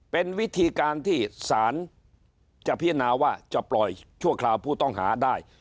เป็นวิธีการที่สารจะพิจารณาว่าจะปล่อยชั่วคราวผู้ต้องหาได้